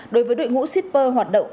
đối với đội ngũ shipper hoạt động